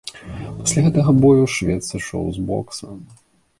Пасля гэтага бою швед сышоў з бокса.